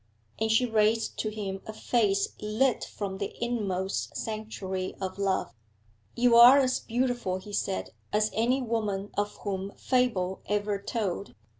And she raised to him a face lit from the inmost sanctuary of love. 'You are as beautiful,' he said, 'as any woman of whom fable ever told.